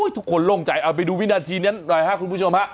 ทุกคนล่วงใจเอาไปดูวินาทีนี้หน่อยครับคุณผู้ชม